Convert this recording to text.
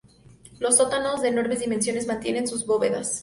Los sótanos, de enormes dimensiones, mantienen sus bóvedas.